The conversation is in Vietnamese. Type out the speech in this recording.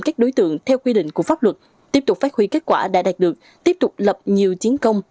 các đối tượng theo quy định của pháp luật tiếp tục phát huy kết quả đã đạt được tiếp tục lập nhiều chiến công